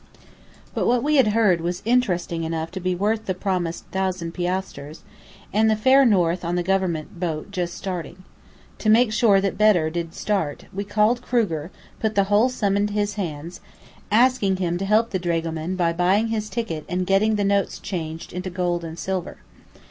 But what we had heard was interesting enough to be worth the promised thousand piasters, and the fare north on the government boat just starting. To make sure that Bedr did start, we called Kruger, put the whole sum into his hands, asking him to help the dragoman by buying his ticket and getting the notes changed into gold and silver.